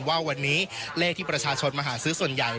ว่าวันนี้เลขที่ประชาชนมาหาซื้อส่วนใหญ่